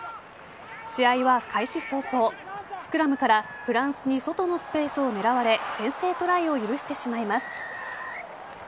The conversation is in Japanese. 試合は開始早々スクラムからフランスに外のスペースを狙われ先制トライを許してしまいます。